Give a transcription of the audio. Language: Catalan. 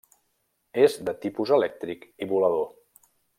És de tipus elèctric i volador.